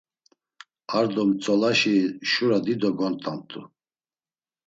Ar do mtzolaşi şura dido gont̆amt̆u.